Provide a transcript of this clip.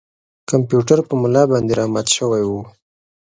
کمپیوټر په ملا باندې را مات شوی و.